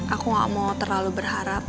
aku gak mau terlalu berharap